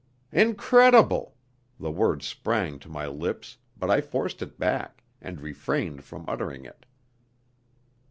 "Incredible!" The word sprang to my lips, but I forced it back, and refrained from uttering it.